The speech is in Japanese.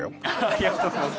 ありがとうございます